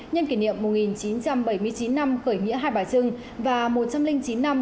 nhìn mình ngầu lắm